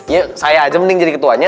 ya saya aja mending jadi ketuanya